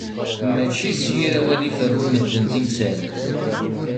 Mačči s yir awal iferrun medden timsal.